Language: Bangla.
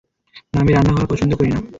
না, আমি রান্না করা পছন্দ করি না।